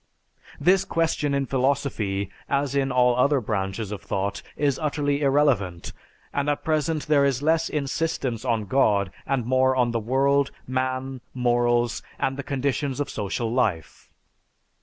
This question in philosophy, as in all other branches of thought, is utterly irrelevant and at present there is less insistence on God and more on the world, man, morals, and the conditions of social life.